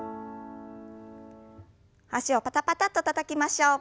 脚をパタパタッとたたきましょう。